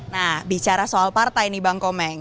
nah bicara soal partai nih bang komeng